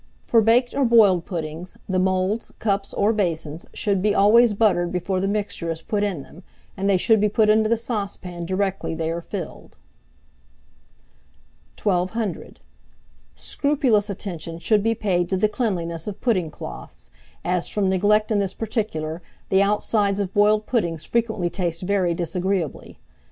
For baked or boiled puddings, the moulds, cups, or basins, should be always buttered before the mixture is put in them, and they should be put into the saucepan directly they are filled. 1200. Scrupulous attention should be paid to the cleanliness of pudding cloths, as, from neglect in this particular, the outsides of boiled puddings frequently taste very disagreeably.